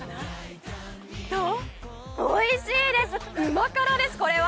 おいしいです！旨辛です、これは。